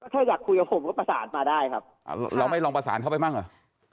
ถ้าอยากคุยกับผมก็ประสานมาได้ครับอ่าเราไม่ลองประสานเข้าไปบ้างเหรอ